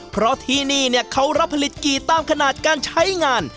เพราะที่นี่เขารับผลิตกี่ตามขนาดการใช้งาน